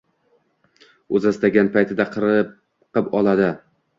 O‘zi istagan paytida qirqib oladi